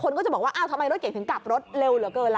คนก็จะบอกว่าทำไมรถเก่งถึงกรับรถเร็วเหละเกินละ